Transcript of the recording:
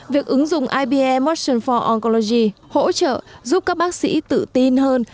việc ứng dụng ipe motion for oncology hỗ trợ giúp các bác sĩ tự tin hơn